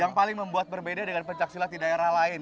yang paling membuat berbeda dengan pencaksilat di daerah lain